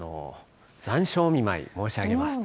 残暑お見舞い申し上げます。